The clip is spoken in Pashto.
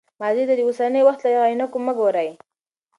ماضي ته د اوسني وخت له عینکو مه ګورئ.